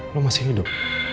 lo masih hidup